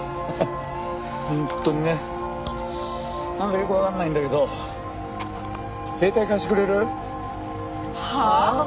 本当にねなんかよくわかんないんだけど携帯貸してくれる？はあ？